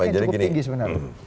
yang cukup tinggi sebenarnya